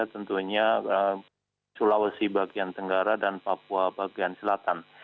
tentunya sulawesi bagian tenggara dan papua bagian selatan